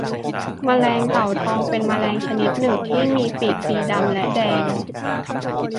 แมลงเต่าทองเป็นแมลงชนิดหนึ่งที่มีปีกสีดำและแดง